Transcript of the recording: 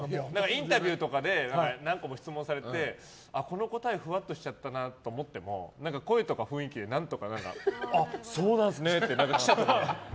インタビューとかで何個も質問されてこの答えふわっとしちゃったなと思っても声とか雰囲気で何とかあ、そうなんですねって記者とかが。